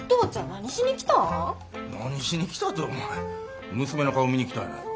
何しに来たてお前娘の顔見に来たんや。